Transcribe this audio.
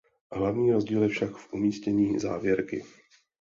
Hlavní rozdíl je však v umístění závěrky.